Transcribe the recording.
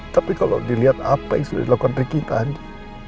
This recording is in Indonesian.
tapi kalau dilihat apa yang sudah dilakukan ricky tadi